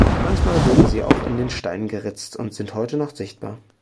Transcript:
Manchmal wurden sie auch in den Stein geritzt und sind heute noch sichtbar.